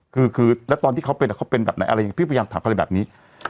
คือคือแล้วตอนที่เขาเป็นเขาเป็นแบบไหนพี่พยายามถามเขาแบบนี้